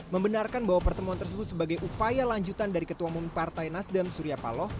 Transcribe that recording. membenarkan bahwa pertemuan tersebut sebagai upaya lanjutan dari ketua umum partai nasdem surya paloh